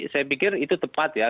saya pikir itu tepat ya